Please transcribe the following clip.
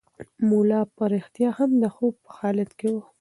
ملا په رښتیا هم د خوب په حالت کې و.